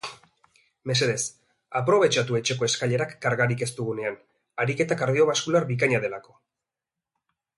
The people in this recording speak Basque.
Mesedez, aprobetxatu etxeko eskailerak kargarik ez dugunean, ariketa kardiobaskular bikaina delako.